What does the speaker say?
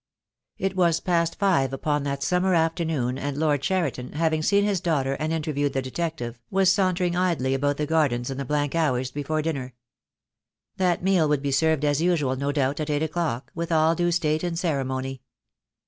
It was past five upon that summer afternoon, and Lord Cheriton, having seen his daughter and interviewed the detective, was sauntering idly about the gardens in the blank hours before dinner. That meal would be served as usual, no doubt, at eight o'clock, with all due state and ceremony.